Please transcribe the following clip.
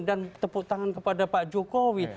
dan tepuk tangan kepada pak jokowi